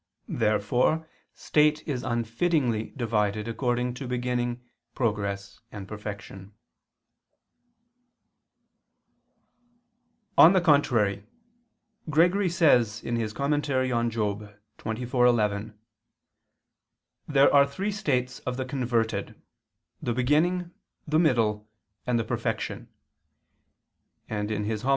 Therefore state is unfittingly divided according to beginning, progress, and perfection. On the contrary, Gregory says (Moral. xxiv, 11): "There are three states of the converted, the beginning, the middle, and the perfection"; and (Hom.